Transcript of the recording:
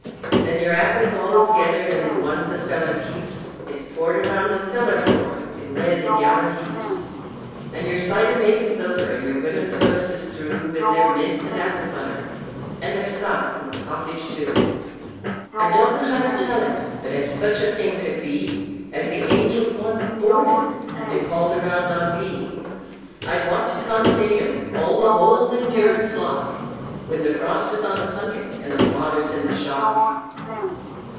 Then your apples all is gethered, and the ones a feller keepsIs poured around the cellar floor in red and yaller heaps; And your cider makin's over, and your wimmern folks is throughWith theyr mince and apple butter, and theyr souse and sausage too!…I don't know how to tell it—but ef such a thing could beAs the angels wantin' boardin', and they'd call around on me—I'd want to 'commodate 'em—all the whole indurin' flock—When the frost is on the punkin and the fodder's in the shock.